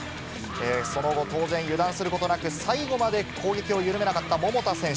その後、当然、油断することなく、最後まで攻撃を緩めなかった桃田選手。